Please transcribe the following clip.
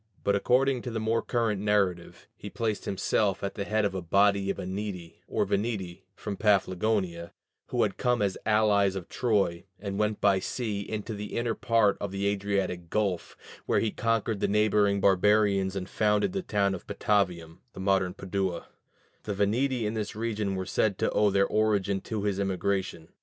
But according to the more current narrative, he placed himself at the head of a body of Eneti or Veneti from Paphlagonia, who had come as allies of Troy, and went by sea into the inner part of the Adriatic Gulf, where he conquered the neighboring barbarians and founded the town of Patavium (the modern Padua); the Veneti in this region were said to owe their origin to his immigration.